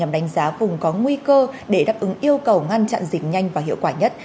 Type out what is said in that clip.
đánh giá vùng có nguy cơ để đáp ứng yêu cầu ngăn chặn dịch nhanh và hiệu quả nhất